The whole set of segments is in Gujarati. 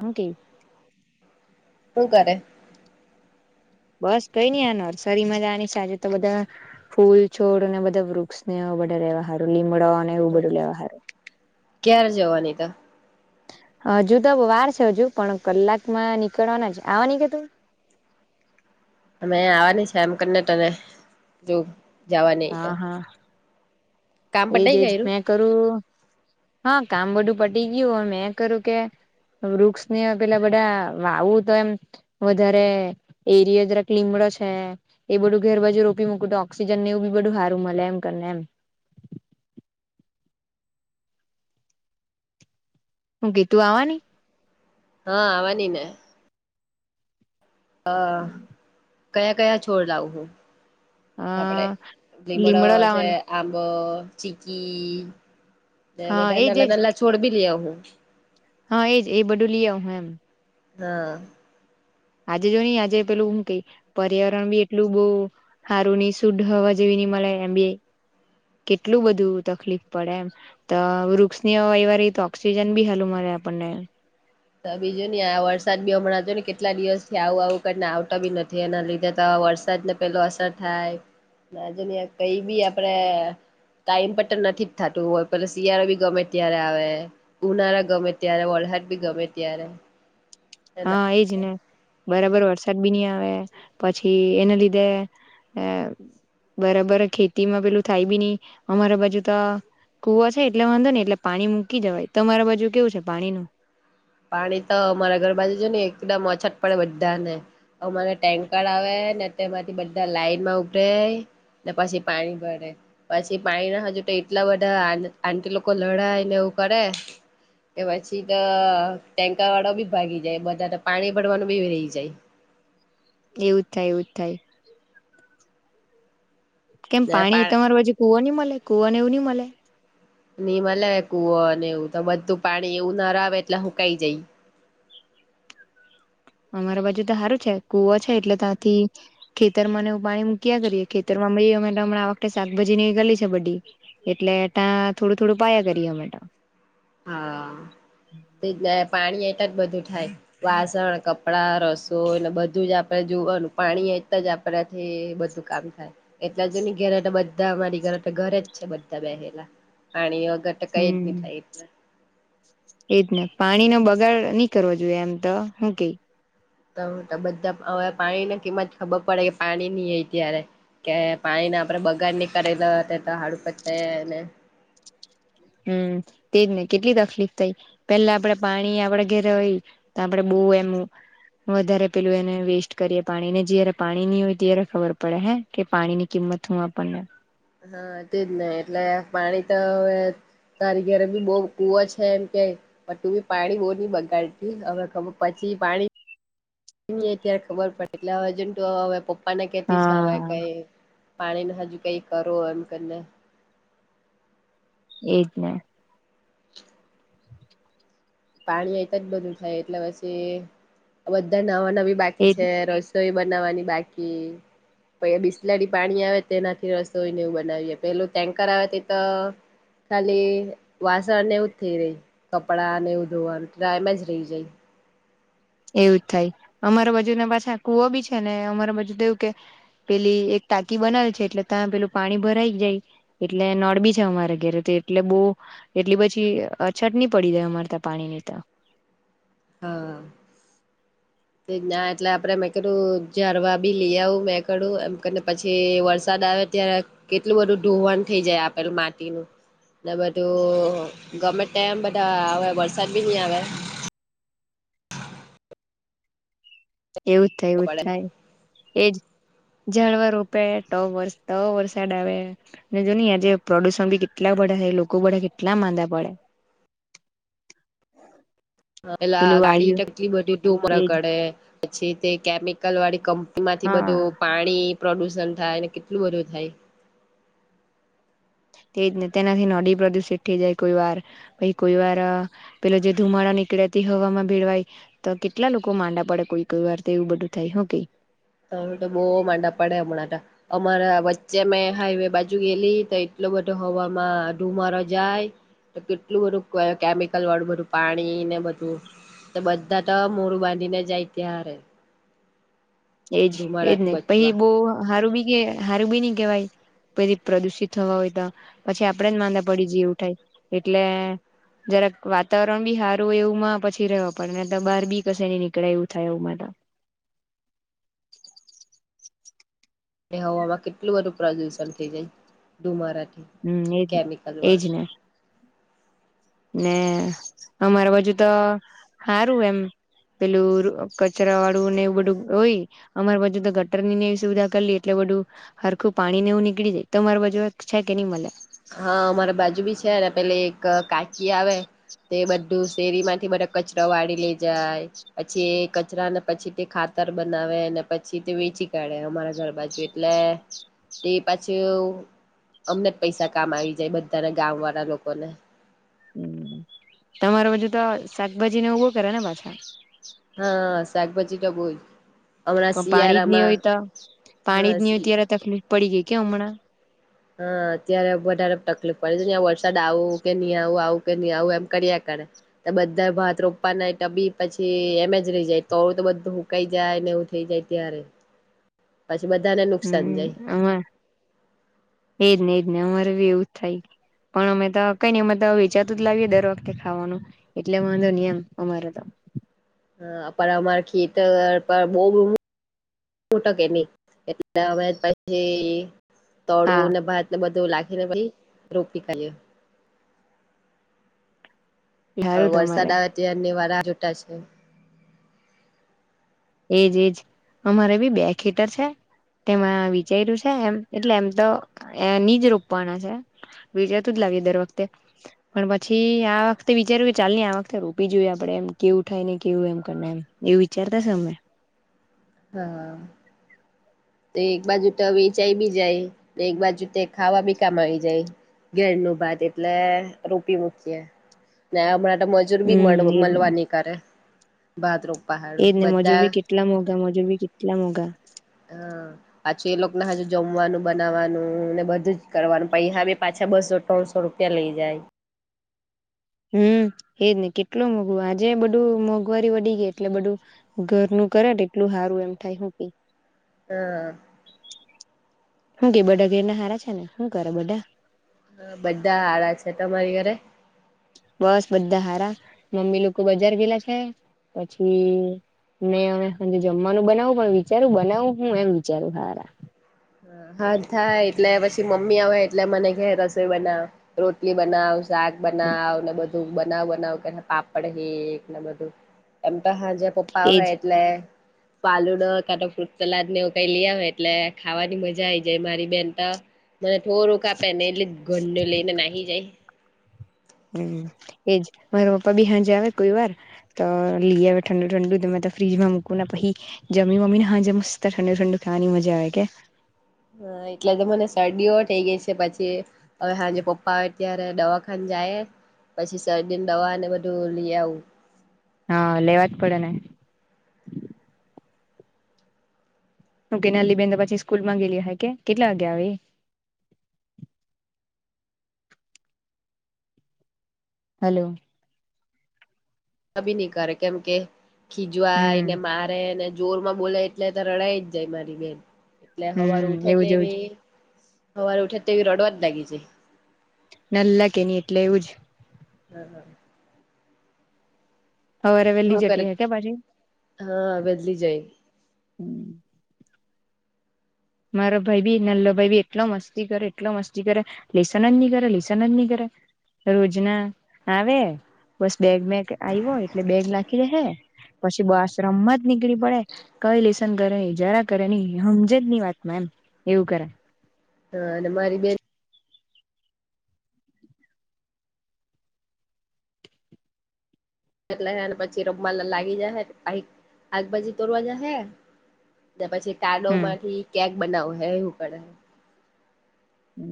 હું કે? હું કરે? બસ કઈ નઈ આ નર્સરીમાં જવાની છે આજે તો બધા ફૂલ છોડ અને બધા વૃક્ષને એ બધા લેવા હારું, લીમડોને એવું બધું લેવા હારું ક્યારે જવાની તો? હજુ તો વાર છે હજુ પણ કલાકમાં નીકળવાના છે આવાની કે તું. અમે આવવાની છે એમ કરીને તને જો જવા ન તો. કામ પતાઈ એજજ ગયું મેં કરું. હા કામ બધું પટી ગયું મે કર્યું કે. વૃક્ષને પેલા બધા વાવું તો એમ વધારે એરય તક લીમ. એ બધું ઘેર બાજુ રોપી મૂકું તો ઓક્સિજન નેવું. બધું સારું મળે એમ કરીને એમ. હું ગીતુ આવાની. હા આવવાની ને. હ કયા કયા છોડ લઉં હું. અ આપડે લીમડો છે આંબો ચીકી. એ હા બધા એજ નાલા એજ નાલા છોડ બી લ હું. હા એજ એ બધું લઈ આવ હ એમ. હા. આજે જો નઈ આજે પેલું હું કઈ પર્યાવરણ બી એટલું બહ સારું શુદ્ધ હવા જેવી. નિ મળળ એમ બી. કેટલું બધું તકલીફ પડે એમ તો વૃક્ષની વહીવા ર ઓક્સિજન બી હાલું મળે. આપને. બીજું ને આ વરસાદ બે હમણા હતો ને કેટલા દિવસ થી આવું આવું કરીને આવતા બી નથી એના લીધે તો. વરસાદને પેલો અસર થાયજુ કઈ બી આપડે. ટાઈમ પર તો નથી જ થતું હોય પણ શિયાળો બી ગમે ત્યારે આવે ઉનાળા ગમે ત્યારે વળ. ર બી ગમે ત્યારે. હા એજને બરાબર વરષ. ચટબીની આવે પછી એને લીધે આ. બરાબર ખેતીમાં પેલું થાય બી નહીં અમારા બાજુ તો. કુવા છે એટલે વાંધો નને એટલે પાણી મૂકી જવાય તમારા બાજુ કેવું છે પાણી ન. પાણી તો અમારા ઘર બાાજુ જો ને એકદમ અછત પડે બધા ને. અમારો ટેન્કર આવે ને તેમાંથી બધા લાઈન માં ઉપડ. ને પછી પાણી ભરે પછી પાણી ના હજુ તો એટલા બધા આ કે લોકો લડાય ને એ. ું કરે એ પછી તો. ટેન્કર વાળો બી ભાગી જાય બધા તો પાણી ભરવાનું બી રહી જાય. એવું થાય એવું થાય. કેમ ને પા પાણી તમારું હજુ કુવા નં મળે કુવાને એવું નહી મળે. નિનીમ લયકું હો અને એવું તો બધું પાણી એવું ના આવે એટલે હુંકાઈ જાય. હ. અમારા બાજુ તો સારું છે કુવો છે એટલે ત્યાંથી ખેતર ને પાણી મૂક્યા કરીએ ખેતરમાં અ. હમણા આ વખતે શાકભાજી ગલી છે બધી એટલે ત્યાં થોડું થોડું પાયા કરીએ મેમે. હા તે. પાણી એટલા જ બધું થાય વાસણ કપડા રસો એને બધું જ આપણેે જોવાનું પાણી. એટ જ આપણાથી બધું કામ થાય એટલા જ ની ઘરે બધા અરી ઘરે ઘરે જ છે બધા. બેલા પાણી વગર તો કઈ જ નહી હમ થાય એટલે. એજ ને પાણીનોો બગાડ નહી કરવાો જોઈએ એમ તો હું કેઈ. તો તો બધા હવે પાણીની કિંમત ખબર પડે કે પાણી નહી હય ત્યારે. કે પાણી ના આપણેે બગાર ની કરેલા તો હાડુપતે. હમ તેજ નઈ કેટલી તકલીફ થઈ પેલા આપડે પાણી આપડે ઘેરે હોય તો આપડે. ઓ એમું. વધારે પેલું એને વેસ્ટ કરીએે પાણી ને જયારે પાણી નની હોય ત્યારે ખબર પડે હે કે પાણી ની કિંમત. મમાં પણ નને. હા તેજ નહી એટલે પાણી તો હવે. તારી ઘેરે બી બહ કુવ છે, એમ કે બ તું બી પાણી બહુ નહી બગાડતી હવે ખબર પડી પાણી. એની અત્યારે ખબર પડે એટલે હવે જંતુ હવે પપ્પા ને કેતી છે હવે હા કઈ પાણી ન હજુ કઈ કરો એમ કરીને. એજ ને. પાણી એતા જ બધું થાય એટલે પછી બધા નવા નવી બાકી એજ છે રસ તોય બનાવાની બાકી. પછી બિસ્લાડી પાણી આવે તેનાથી રસોઈને એવું બનાવીએે પેલું ટેન્કર આવે તે તો ખાલી વાસણને એવુંજ થઈ, રહી કપડાંને એવું ધોવાનું આમેજ રહી જાય. એવું જ થાય, અમારા બાજુ ને પાછા કુવો બી છે ને અમારી બાજુ તોવું કે પેલી એક તાકી બનાવે છે એટલે ત્યાં પેલું પાણી ભરાઈ જાય, એટલે નડ બી છે અમારે ઘેરે તો એટલે બહુ એટલી પછી અછત ની પડી જાય અમાર તા પાણી ની તો. હા. ના એટલે આપડે મેં કીધું ઝારવા બી લઈ આવું મેં કું એમને પછી વરસાદ આવે ત્યારે કેટલું બધું ધોવાણ થઈ જાય આપેલું માટીનું બધું ગમે ટેમ બધા આવે વરસાદ બી ની આવે. એવું થાય એવું થાય એજ હ જાળવા રોપે તો વ વરસાદ આવે અને જોની આજે પ્રદુષણ બી કેટલા બધા લોકો બળા કેટલા માંદા પડે. [inaudible] પેલા પેલું ગાડી આયુ ટકલી બધી તું ઉમરા એજ કડે પછી તે કેમિકલ વાળી કંપ માંથી હા બધું પાણી પ્રદુષણ થાય કેટલું બધું થાય. તે તેનાથી નડી પ્રદુષિત થઈ જાય કોઈ વાર પછી કોઈ વાર પેલો જે ધુમાડા નીકળેતી હવામાં ભીળવાય તો કેટલા લોકો માંડા પડે કોઈ કોઈ વાર એવું બધું થાય હું કેય? હ તો બહુ માંડા પડે હમણાં અમારા, વચ્ચે મેં હાઈવે બાજુ ગેલી એટ એટલો બધો હવામાં ધુમારો જાય તો કેટલું બધું કેમિકલ વાળું બધું પાણી ને બધું તો બધા તો મોરું બાંધીને જાય ત્યારે એજ એજ ધુમાડાથી નહી પછી બચવા બહ હારું બી કે હારું બી નઈ કેવાય પે પ્રદુષિત થવા હોય તો પછી આપડે જ માંદા પડી જવું થાય એટલે જરાક વાતાવરણ બી સારું એવુંમાં પછી રહ્યો પડે ને બહાર બી કશે ની નીકળે એવું થાય એવુંમાં તો. [inaudible] એ હવામાં કેટલું બધું પ્રદુષણ થઈ જાય, ધુમારા હમ્મ એજ એજ ને. ને અમારા બાજુ તો હારું એમ. પેલું કચરા વાળું ને એવું બધું હોય અમાર બાજુ તો ગટર ની ને એવી સુવિધા કરલી એટલે બું હરખું પાણી ને એવું નીકળી જાય, તો તમારી બાજુ એક છે કે નહી મળે? હા અમારા બાજુ બી છે ને પેલે એક કાકી આવે. તે બધું શેરી માંથી બને કચરો વાળી લે જાય પછી એ કચરાને પછી તે ખા તર બનાવે અને પછી તે વેચી કાઢે અમારા ઘર બાજુ એટલે. તે પાછું અમને પૈસા કામ આવી જાય બધાના ગામ વાળા લોકોને. તમાર બાજુ તો શાકભાજી ને ઉભો કરે ને પાછા. હા શાકભાજી તો બહુ જ. હમણાં પણ પાણી જ ની શિયાળામાં હોય તો પાણી હા જ નહી હોય શી ત્યારે તકલીફ પડી ગઈ કે હમણાં. હા અત્યારે વધારે તકલીફ પડે છે, વરસાદ આવું કે નહી આવું આવું કે નઈ આવું એમ કર બધા ભાત રોપવાના ટબી પછી એમે જ રહી જાય તોડું તો બધું હુકાઈ જાય એવું થઇ જાય ત્યારે. પછી બધાને નુકસાન હમ જાય અમા એજ ને એજ ને અમારે બી એવું થાય પણ અમે તો કઈ નઈ અમે તો વિચાતું જ લાવીએ દર વખતે ખાવાનું એટલે વાંધો ન એમ અમારે તો. હ પણ અમારા ખેત પર બહ ુંટકે નહી એટલે હવે પછી. તળું હા ને ભાત ને બધું લખીને પછી રોપી ખાઈએ. હવે સારું તમારે વરસાદ આવે તાર વાર છૂટા છે. એજ એજ અમારે બી બે ખેટર છે. તેમાં વિજય્યું છે એમ એટલે એમ તો જ રોપવાના છે વિજેતું દર વખતે પણ પછી આ વખતે વિચાર્યું ચાલ આ વખતે રોપ જોએ આપડે એમ કેવું થાય. કેવું એમ કરી એમ એવું વિચારતાશે અમે. [inaudible] તે એક બાજુ તો વેચાઈ બી જાય એક બાજુ તે ખાવા બી કામ આવી જાય. ઘેર ન ભાત એટલે રૂપી મૂકીએ હમણાં મજૂર બી હમ એજ મળવાની કરે બાદરૂમ એજ ને મજૂર ભી કેટલા મોઘા મજૂર ભી કેટલા મોઘા હ પાછું એ લોકોને હજુ જમવાનું બનાવવાનું ને બધું જ કરવાનું પૈ હ પાછ બસો ત્રણસો રૂપિયા લઈ જાય. હમ એજ નહી કેટલું મોંઘવું આજે બધું મોંઘવારી વડીી ગઈ એટલે બધું ઘરનું કર્યા એટલું સારું એમ થાય હું પ [inaudible] હું કે બડાા ઘેરના હારા છે ને શું કર બધા હા બધા હડા છે તમારી ઘરે. બસ બધા સારા મમ્મી લોકો બજાર ગયેલા છે પછી. મે જમવાનું બનાવું પણ વિચારું બનાવું હું એમ વિચારું હારા. હા થાય એટલે પછી મમ્મી આવે એટલે મને કે રસોઈ બનાવ રોટલી બનાવ. શાક બનાવ ને બધું. બનાવ બનાવ પાપડ હેને બધું એમ તો હા પપ્પા એજ હોય એટલે ફાલૂદો કાતો ફૂટ સલાદ ને એવુ કઈ લયા હોય એટલે ખાવાની મજા આઈ જાય મારી બેન તો મને થોડુંક આપે ને એટલે ઘરને લઈને નાહી જાય હમ એજ. મારા પપ્પા બી હાજે આવે કોઈ વાર તો લઈ આવે ઠંડુ ઠંડુ ફ્રીજમાં મૂકું પછી જમી ને હાંજે મસ્ત સસ્તા ઠંડુ ઠંડુ ખાવાની મજા આવે કે હા એટલે તો મને શરદીઓ થઇ ગઈ છે પછી હવે હાંજે પપ્પા આવેત્યારે દવાખાને જાય પછી શરદીને દવાને બધું લઈ આવું. હા લેવા જ પડે ને! કે નાલી બેન પછી સ્કૂલ માં ગેલી હ કે કેટલા વાગે આવે એ? હલો કી નહી કરે કેમ કે ખીજવાય હમ એને મારેને જોર માં બોલે એટલે તો રડાઈ જ જાય મારી બેન એટલે હવાર હમ ઉઠે એવું જ એવું જ તેવી સવારે ઉઠે તેવી રડવા જ લાગી જાય. નલ્લા કે એની એટલે એવું જ. હમ હમ હવેરે વેલી હું કરે જટી હ કે પછી? હા બદલી જાય મારો ભાઈ ભી નલ્લો ભાઈ ભી એટલો મસ્તી કરે એટલો મસ્તી કરે લેસનજની કરે લેસનજની કરે! રોજના આવે બસ બેગ મેગ આવ્યો એટલે બેગ નાખી દેહે પછી બ આશ્રમમાં જ નીકળી પડે કઈ લેસન કરે ન જરા કરે નહી સમજે જ ની વાત મેમ એવું કરે હ અને મા બેન [unintelligible] અને પછી રમવામા લાગી જાય હ [unintelligible] આગભાજી તોરવા જ હે પછી ટાડો હમ માંથી કેક બનાવો હે એવું કરે. હ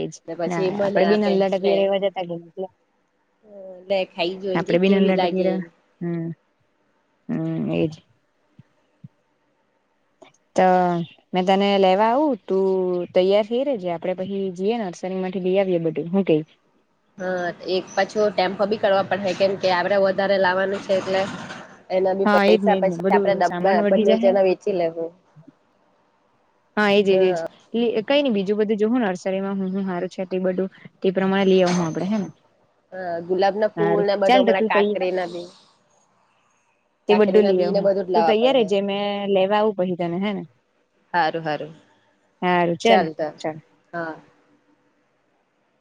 એજ. ને ના પછી મને આપડે બિ આપે નલ્લા હતા, લે ત્યારે એવા જ હતા લે ખાઈ જોઈ કે અપડી બી કેવી નલ્લા હતા, લાગે એમ ત્યારે હમ હમ, એજ તો મેં, તને લેવા આવું તું તૈયાર થઈ, રેજ આપડે પછી જઈએ નર્સરી માંથી બધું, હં કે? હા, એક પાછું ટેમ્પો બી કરવા પડ કેમ કે આપડે વધારે લાવવાનું છે, એટલે એના બી હા એજ ને પૈસા એજ ને પછી, બધું સામાન આપડેા વધી બને જાય જના વેચી લેવુ. હા, એજ એજ. કઈ નઈ બીજું બધું જોુ હું નર્સરીમાં હુ હુ હારુ છ, એટલી બધું તે પ્રમાણે લઈ, આવ હું આપડે હે ને હ ગુલાબના ફૂલ, સારું ને બધો ચાલ તો હમણાં તું તૈ કાકડી ના બી તે કાકરી બધું ના લઈએ બી ને હુ, બધું જ તુ લાવવા પડે તૈયાર હે જે મેં લેવા આવું પછી તને હેને? સારુ સારુ ચાલ, ચાલ હા.